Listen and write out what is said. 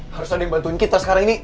harus ada yang bantuin kita sekarang ini